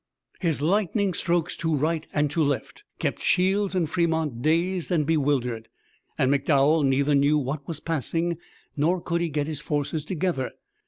His lightning strokes to right and to left kept Shields and Fremont dazed and bewildered, and McDowell neither knew what was passing nor could he get his forces together.